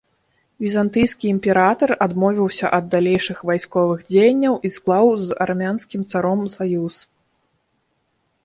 Візантыйскі імператар адмовіўся ад далейшых вайсковых дзеянняў і склаў з армянскім царом саюз.